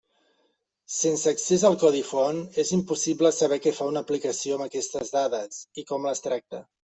Sense accés al codi font és impossible saber què fa una aplicació amb aquestes dades, i com les tracta.